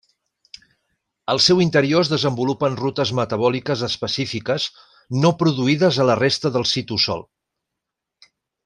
Al seu interior es desenvolupen rutes metabòliques específiques no produïdes a la resta del citosol.